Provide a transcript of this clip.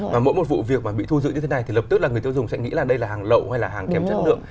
và mỗi một vụ việc mà bị thu giữ như thế này thì lập tức là người tiêu dùng sẽ nghĩ là đây là hàng lậu hay là hàng kém chất lượng